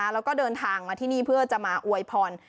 แล้วก็เดินทางมาที่นี่เพื่อจะมาอวยพร